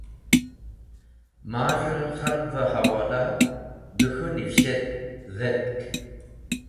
Maz̃hẽ khalgvẽ hẽwola dẽ k̃hũ nivishet dhetk.